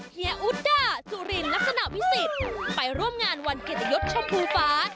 เฮียอุดด้าสุรินลักษณะวิสิทธิ์ไปร่วมงานวันเกียรติยศชมพูฟ้า